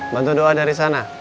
jangan terlalu dipikirin